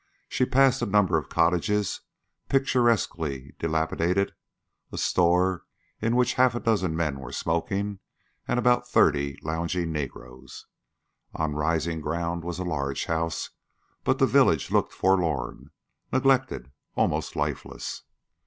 She passed a number of cottages picturesquely dilapidated, a store in which a half dozen men were smoking, and about thirty lounging negroes. On rising ground was a large house, but the village looked forlorn, neglected, almost lifeless.